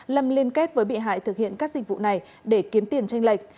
lâm liên kết với bị hại thực hiện các dịch vụ này để kiếm tiền tranh lệch